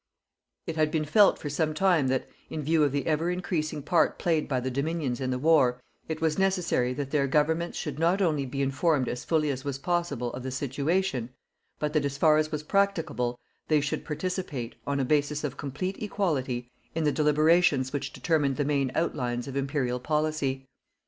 It had been felt for some time that, in view of the ever increasing part played by the Dominions in the war, it was necessary that their Governments should not only be informed as fully as was possible of the situation, but that, as far as was practicable, they should participate, on a basis of complete equality, in the deliberations which determined the main outlines of Imperial policy.